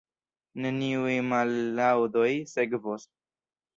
Neniuj mallaŭdoj sekvos.